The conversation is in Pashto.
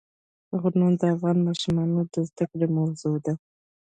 غرونه د افغان ماشومانو د زده کړې موضوع ده.